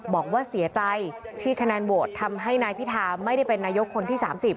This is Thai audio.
บอกว่าเสียใจที่คะแนนโหวตทำให้นายพิธาไม่ได้เป็นนายกคนที่๓๐